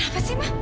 kenapa sih ma